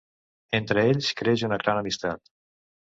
Entre ells creix una gran amistat.